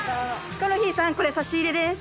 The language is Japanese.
ヒコロヒーさんこれ差し入れです。